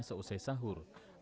seolah olah di sini